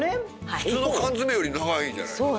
普通の缶詰より長いじゃないですか？